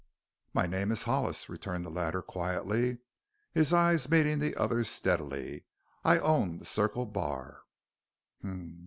"My name is Hollis," returned the latter quietly, his eyes meeting the other's steadily. "I own the Circle Bar."